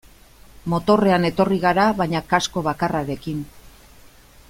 Motorrean etorri gara baina kasko bakarrarekin.